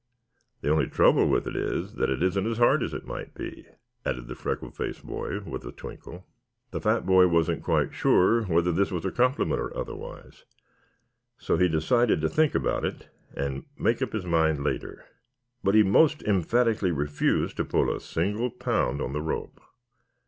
The only trouble with it is that it isn't as hard as it might be," added the freckle faced boy with a twinkle. The fat boy wasn't quite sure whether this was a compliment or otherwise. He decided to think about it and make up his mind later. But he most emphatically refused to pull a single pound on the rope.